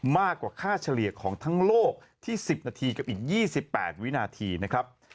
มากกว่าค่าเฉลี่ยของทั้งโลกที่๑๐นาทีกับอีก๒๘วินาทีนะครับ